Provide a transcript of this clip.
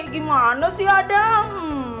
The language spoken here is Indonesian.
gimana sih adam